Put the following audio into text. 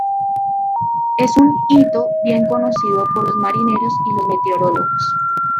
Es un hito bien conocido por los marineros y los meteorólogos.